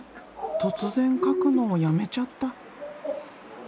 突然描くのをやめちゃった。